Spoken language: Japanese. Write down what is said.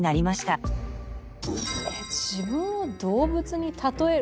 自分を動物に例えると？